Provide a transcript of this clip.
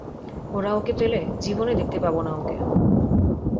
ওরা ওকে পেলে, জীবনে দেখতে পাবো না ওকে।